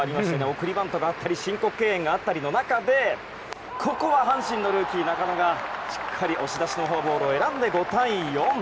送りバントがあったり申告敬遠があったりの中で阪神のルーキー、中野がしっかりと押し出しのフォアボールを選んで５対４。